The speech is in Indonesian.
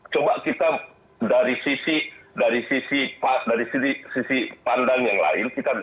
coba kita dari sisi pandang yang lain